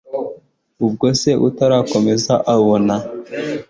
ubwo se atarakomeza abona